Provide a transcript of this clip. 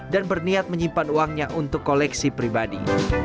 dan berniat menyimpan uangnya untuk koleksi pribadi